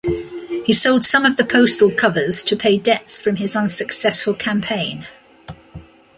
He sold some of the postal covers to pay debts from this unsuccessful campaign.